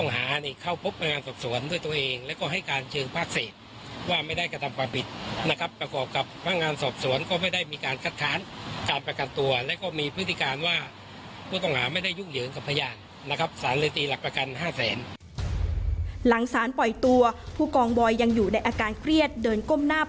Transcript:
หลังสารปล่อยตัวผู้กองบอยยังอยู่ในอาการเครียดเดินก้มหน้า